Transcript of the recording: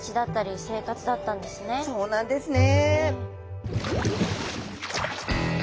そうなんですね。